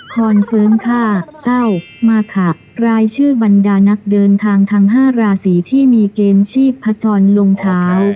เฟิร์มค่ะเต้ามาค่ะรายชื่อบรรดานักเดินทางทั้ง๕ราศีที่มีเกณฑ์ชีพจรลงเท้า